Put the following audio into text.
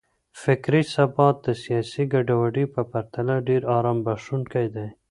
فکري ثبات د سياسي ګډوډۍ په پرتله ډېر آرام بښونکی دی.